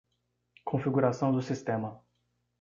Configuração do sistema.